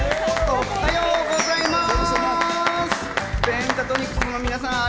おっはようございます！